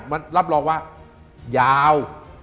มันรับรองว่ายาว